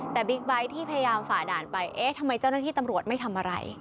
แต่บิ๊กไบท์ที่พยายามฝ่าด่านไปเอ๊ะทำไมเจ้าหน้าที่ตำรวจไม่ทำอะไร